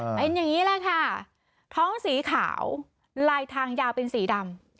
เป็นอย่างนี้แหละค่ะท้องสีขาวลายทางยาวเป็นสีดำ